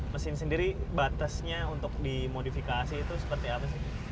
mesin sendiri batasnya untuk dimodifikasi itu seperti apa sih